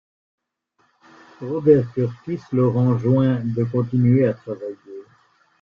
Robert Kurtis leur enjoint de continuer à travailler.